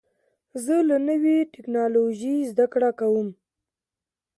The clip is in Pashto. زه له نوې ټکنالوژۍ زده کړه کوم.